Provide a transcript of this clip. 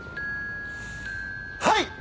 はい！